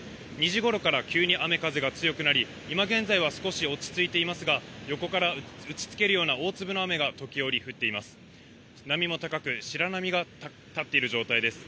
２時ごろから急に雨風が強くなり、今現在は少し落ち着いていますが、横から打ちつけるような大粒の雨が時折降っています。